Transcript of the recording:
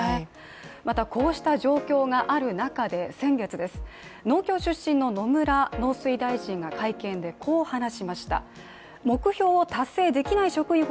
またこうした状況がある中で、先月農協出身の野村農水大臣が会見でこう話しました。